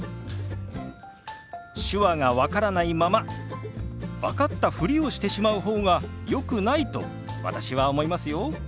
手話が分からないまま分かったふりをしてしまう方がよくないと私は思いますよ。